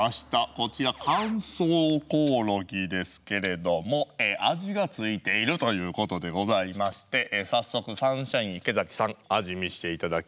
こちら乾燥コオロギですけれども味がついているということでございましてさっそくサンシャイン池崎さんあじみしていただきましょう。